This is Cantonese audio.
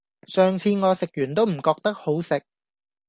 上次我食完都唔覺得好食